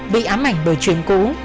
bị ám ảnh bởi truyền cũ